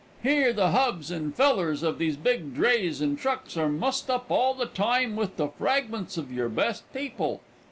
Here the hubs and fellers of these big drays and trucks are mussed up all the time with the fragments of your best people.